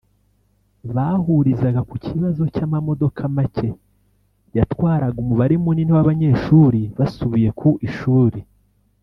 bahurizaga ku kibazo cy’amamodoka make yatwaraga umubare munini w’abanyeshuri basubiye ku ishuri